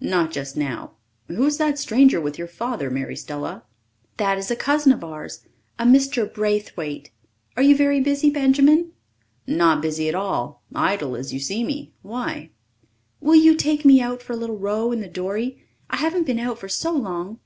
"Not just now. Who is that stranger with your father, Mary Stella?" "That is a cousin of ours a Mr. Braithwaite. Are you very busy, Benjamin?" "Not busy at all idle as you see me. Why?" "Will you take me out for a little row in the dory? I haven't been out for so long."